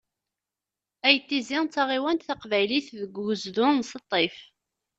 Ayt Tizi d taɣiwant taqbaylit deg ugezdu n Sṭif.